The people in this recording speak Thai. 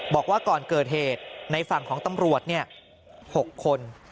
บอกว่าก่อนเกิดเหตุในฝั่งของตำรวจ๖คน